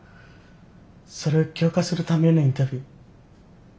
それ許可するためのインタビュー。